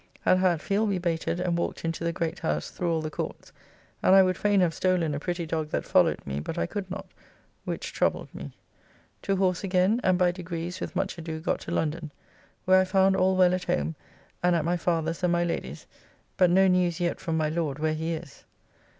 At Hatfield we bayted and walked into the great house through all the courts; and I would fain have stolen a pretty dog that followed me, but I could not, which troubled me. To horse again, and by degrees with much ado got to London, where I found all well at home and at my father's and my Lady's, but no news yet from my Lord where he is.